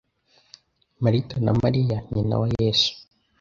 marita na mariya nyina wa yesu